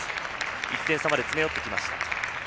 １点差まで詰め寄ってきました。